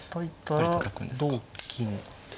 やっぱりたたくんですか。